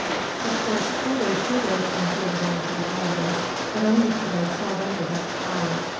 Of course, traders do go from here down to the islands, but only to those not under Dutch power.